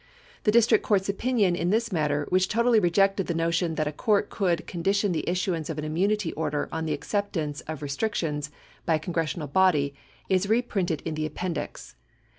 The district court's opinion in this matter, which totally rejected the notion that a court could con dition the issuance of an immunity order on the acceptance of re strictions by a congressional body, is reprinted in the Appendix.